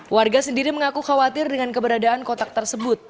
warga sendiri mengaku khawatir dengan keberadaan kotak tersebut